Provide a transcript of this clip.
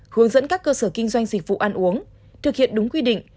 hướng dẫn các cơ sở kinh doanh dịch vụ ăn uống thực hiện đúng quy định